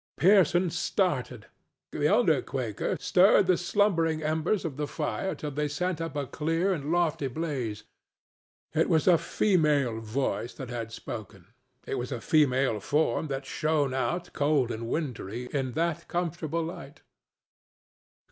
Pearson started; the elder Quaker stirred the slumbering embers of the fire till they sent up a clear and lofty blaze. It was a female voice that had spoken; it was a female form that shone out, cold and wintry, in that comfortable light.